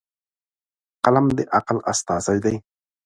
قلم د عقل استازی دی.